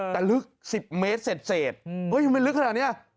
แต่ลึกสิบเมตรเสดเศษอืมโหยมันลึกขนาดเนี้ย